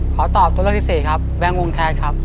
ขอตอบตัวเลือกที่สี่ครับแบงค์วงแคสครับ